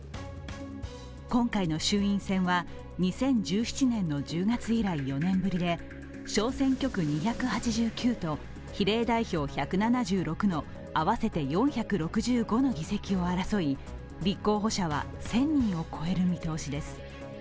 今回の衆院選は２０１７年の１０月以来４年ぶりで小選挙区２８９と比例代表１７６の合わせて４６５の議席を争い、立候補者は１０００人を超える見通しです。